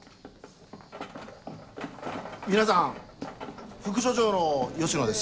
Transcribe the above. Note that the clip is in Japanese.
皆さん副署長の吉野です。